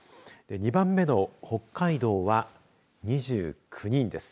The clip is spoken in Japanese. ２番目の北海道は２９人です。